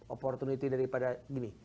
opportunity daripada gini